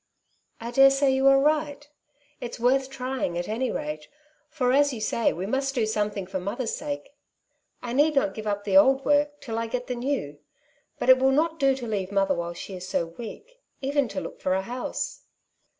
'' I dare say you are right; it's worth trying at any rate, for, as you say, we must do something for mother's sake. I need not give up the old work till I get the new. But it will not do to leave mother while she is so weak, even to look for a house."